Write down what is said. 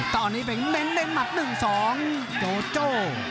ตอนนี้เป็นเล่นหมัดหนึ่งสองโจโจ